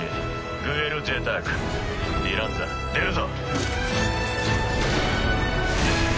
グエル・ジェタークディランザ出るぞ。